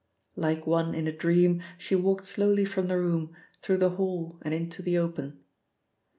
Like one in a dream she walked slowly from the room, through the hall, and into the open.